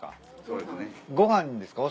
そうですね。